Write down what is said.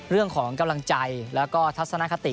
เรื่องของกำลังใจแล้วก็ทัศนคติ